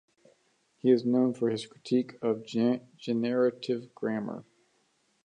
He is known for his critique of generative grammar.